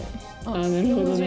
あっなるほどね。